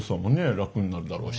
楽になるだろうし。